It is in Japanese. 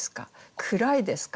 暗いですか？